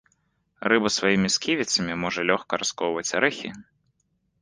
Рыба сваімі сківіцамі можа лёгка расколваць арэхі.